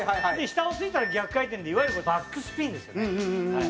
下を撞いたら逆回転でいわゆるこれバックスピンですよね。